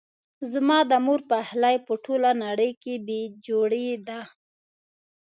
زما د مور پخلی په ټوله نړۍ کې بي جوړي ده